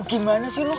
gimana sih lu